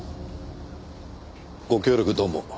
ご協力どうも。